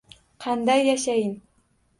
Qanday yashayin.